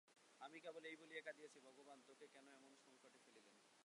আমরা কেবল এই বলিয়া কাঁদিয়াছি, ভগবান তোকে কেন এমন সংকটে ফেলিলেন।